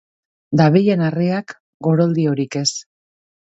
Dabilen harriak goroldiorik ez.